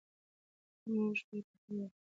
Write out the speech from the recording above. موږ به یې په ګډه اباد کړو.